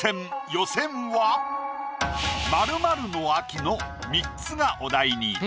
○○の秋の３つがお題に。